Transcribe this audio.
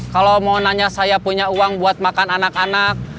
kalau mau nanya saya punya uang buat makan anak anak